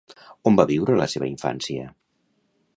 On va viure la seva infància?